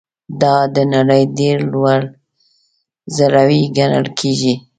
دا د نړۍ ډېر لوړ ځړوی ګڼل کیږي.